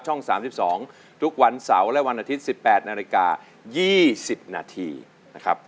๓๒ทุกวันเสาร์และวันอาทิตย์๑๘นาฬิกา๒๐นาทีนะครับ